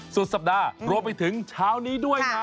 สุดสัปดาห์รวมไปถึงเช้านี้ด้วยนะ